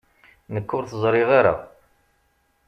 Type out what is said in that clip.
Nekk ur t-ẓriɣ ara.